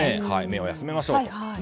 目を休めましょうと。